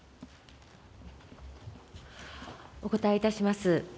お答えいたします。